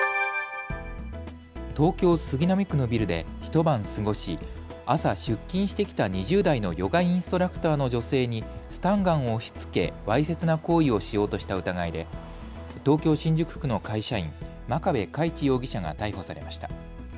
東京杉並区のビルで一晩過ごし朝出勤してきた２０代のヨガインストラクターの女性にスタンガンを押しつけわいせつな行為をしようとした疑いで、東京新宿区の会社員、眞壁佳一容疑者が逮捕されました。